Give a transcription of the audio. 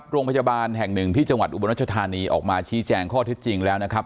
โรงพยาบาลแห่งหนึ่งที่จังหวัดอุบลรัชธานีออกมาชี้แจงข้อเท็จจริงแล้วนะครับ